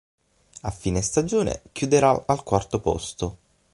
A fine stagione chiuderà al quarto posto.